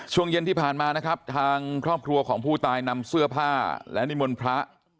ช่วงเย็นที่ผ่านมานะครับทางครอบครัวของผู้ตายนำเสื้อผ้าและนิมนต์พระ